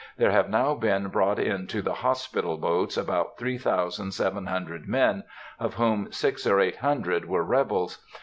There have now been brought in to the hospital boats about three thousand seven hundred men, of whom six or eight hundred were rebels.